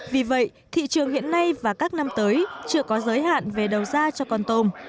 vì vậy thị trường hiện nay và các năm tới chưa có giới hạn về đầu ra cho con tôm